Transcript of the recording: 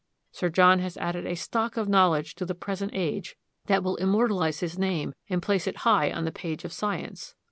Sir John has added a stock of knowledge to the present age that will immortalize his name and place it high on the page of science."